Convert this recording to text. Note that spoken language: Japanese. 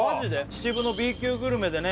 秩父のＢ級グルメでね